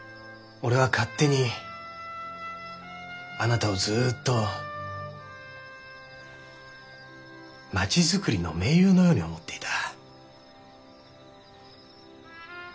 俺は勝手にあなたをずっと町づくりの盟友のように思っていた。